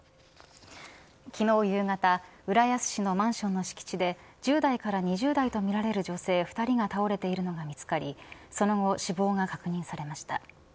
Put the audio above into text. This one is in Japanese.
昨日、夕方浦安市のマンションの敷地で１０代から２０代とみられる女性２人が倒れているのが見つかりその後、死亡が確認されました。